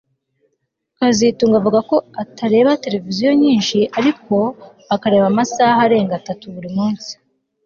kazitunga avuga ko atareba televiziyo nyinshi ariko akareba amasaha arenga atatu buri munsi